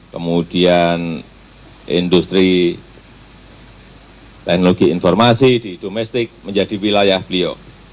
kemudian industri teknologi informasi di domestik menjadi wilayah beliau